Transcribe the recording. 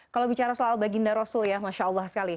kalau bicara soal baginda rasul ya masyaallah sekali